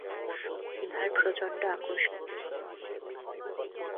ইহার প্রচণ্ড আকর্ষণী শক্তি আছে।